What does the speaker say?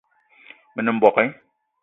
Me nem mbogue